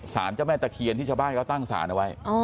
สารเจ้าแม่ตะเคียนที่ชาวบ้านเขาตั้งสารเอาไว้